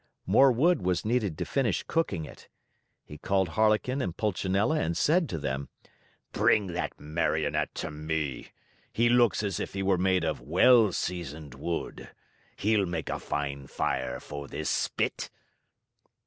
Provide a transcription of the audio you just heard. More wood was needed to finish cooking it. He called Harlequin and Pulcinella and said to them: "Bring that Marionette to me! He looks as if he were made of well seasoned wood. He'll make a fine fire for this spit."